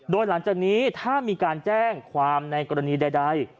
โดยหลังจากนี้ถ้ามีการแจ้งความในกรณีใด